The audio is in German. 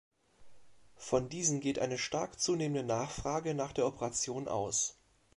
Von diesen geht eine stark zunehmende Nachfrage nach der Operation aus.